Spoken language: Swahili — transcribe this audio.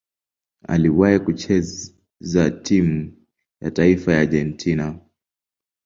Aliwahi kucheza timu ya taifa ya Argentina.